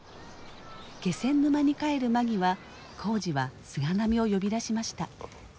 気仙沼に帰る間際耕治は菅波を呼び出しました。